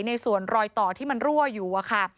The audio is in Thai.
ในส่วนรอยต่อที่มันรั่วอยู่อะค่ะ